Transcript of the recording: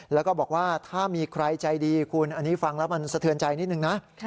แล้วก็บอกว่าถ้ามีใครใจดีคุณอันนี้ฟังแล้วมันสะเทือนใจนิดนึงนะ